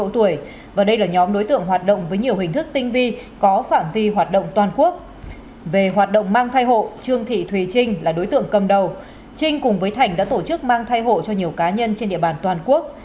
trương thị thùy trinh là đối tượng cầm đầu trinh cùng với thành đã tổ chức mang thai hộ cho nhiều cá nhân trên địa bàn toàn quốc